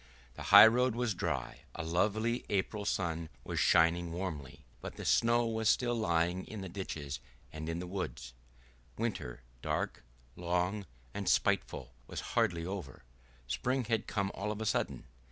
The highroad was dry, a lovely April sun was shining warmly, but the snow was still lying in the ditches and in the woods. Winter, dark, long, and spiteful, was hardly over; spring had come all of a sudden.